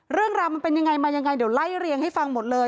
เรื่องราวมันเป็นยังไงมายังไงเดี๋ยวไล่เรียงให้ฟังหมดเลย